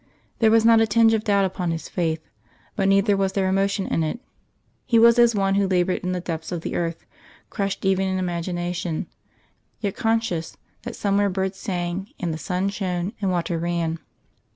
There was not a tinge of doubt upon his faith, but neither was there emotion in it. He was as one who laboured in the depths of the earth, crushed even in imagination, yet conscious that somewhere birds sang, and the sun shone, and water ran.